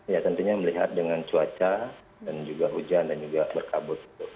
ya tentunya melihat dengan cuaca dan juga hujan dan juga berkabut